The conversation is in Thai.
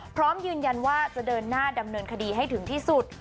พร้อมยืนยันว่าจะเดินหน้าดำเนินคดีให้ถึงที่สุด